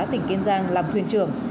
tỉnh kiên giang làm thuyền trưởng